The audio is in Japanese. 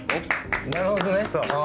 なるほどね。